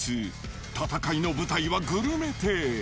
戦いの舞台はぐるめ亭。